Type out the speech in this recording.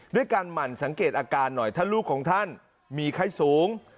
ด้วยการหมั่นสังเกตอาการหน่อยถ้าลูกของท่านมีไข้สูง